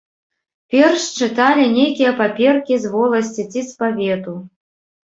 Перш чыталі нейкія паперкі з воласці ці з павету.